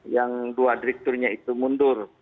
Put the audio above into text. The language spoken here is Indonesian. yang dua direkturnya itu mundur